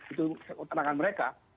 itu keterangan mereka